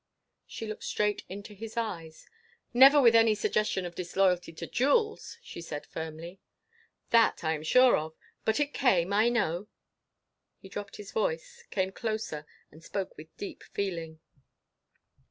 She looked straight into his eyes. "Never with any suggestion of disloyalty to Jules," she said firmly. "That I am sure of. But it came. I know." He dropped his voice, came closer, and spoke with deep feeling.